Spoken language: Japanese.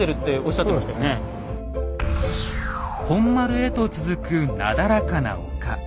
本丸へと続くなだらかな丘。